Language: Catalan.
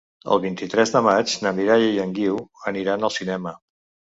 El vint-i-tres de maig na Mireia i en Guiu aniran al cinema.